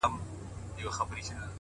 • دا د قامونو د خپلویو وطن,